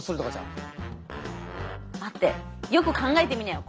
待ってよく考えてみなよ。